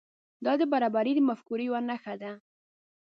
دا د برابري د مفکورې یو نښه ده.